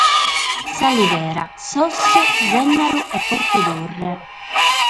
S'Alighera, Sossu, Sènnaru e Portu Turre.